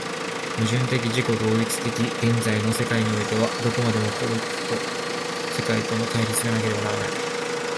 矛盾的自己同一的現在の世界においては、どこまでも個物と世界との対立がなければならない。